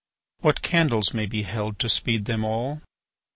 What candles may be held to speed them all?